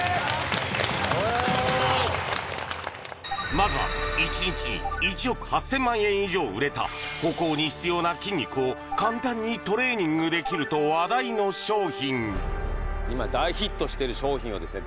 まずは１日に１億８０００万円以上売れた歩行に必要な筋肉を簡単にトレーニングできると話題の商品今大ヒットしてる商品をですね